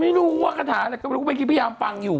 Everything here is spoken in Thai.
ไม่รู้คาถาแต่เขาอยู่กลุ่มกินที่พยาบาลฟังอยู่